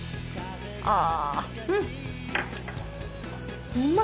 ああ！